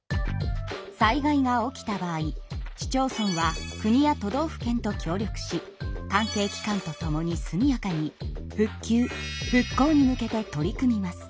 災害が起きた場合市町村は国や都道府県と協力し関係機関と共に速やかに復旧・復興に向けて取り組みます。